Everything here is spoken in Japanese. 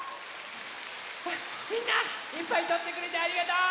みんないっぱいとってくれてありがとう！